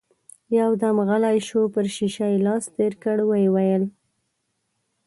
يودم غلی شو، پر شيشه يې لاس تېر کړ، ويې ويل: